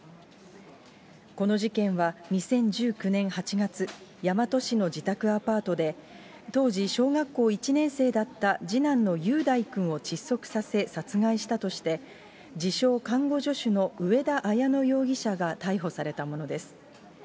この事件は２０１９年８月、大和市の自宅アパートで、当時小学校１年生だった次男の雄大君を窒息させ殺害したとして、自称看護助手の上田綾乃容疑者が逮捕されたものです。